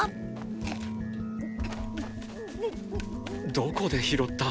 どこで拾った？